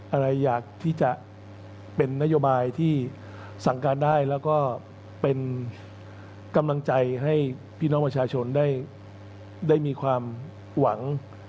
อะไรอยากที่จะเป็นนโยบายที่สั่งการได้แล้วก็เป็นกำลังใจให้พี่น้องประชาชนได้มีความหวัง